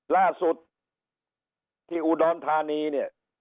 ล่าสุดที่อุดรธานีเนี่ย